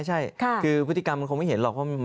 ใช่คือพฤติกรรมมันคงไม่เห็นหรอก